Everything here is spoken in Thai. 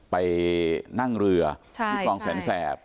ไปนั่งเรือที่คลองแสนแสบ